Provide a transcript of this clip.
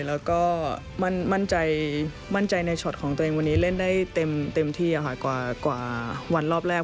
แล้วก็มั่นใจมั่นใจในช็อตของตัวเองวันนี้เล่นได้เต็มที่กว่าวันรอบแรก